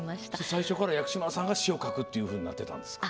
最初から薬師丸さんが詞を書くというふうになってたんですか？